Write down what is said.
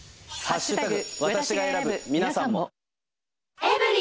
＃私が選ぶ、皆さんも。